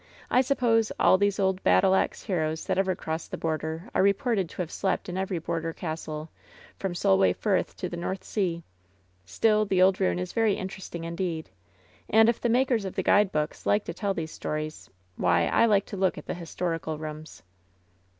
I suppose all these old battle ax heroes that ever crossed the border are reported to have slept in every border castle, from Solway Firth to the North Sea. Still, the old ruin is very interesting indeed. And if the makers of the guidebooks like to tell these stories, why, I like to look at the historical rooms."